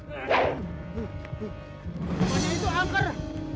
rumahnya itu angker